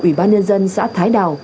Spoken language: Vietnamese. ủy ban nhân dân xã thái đào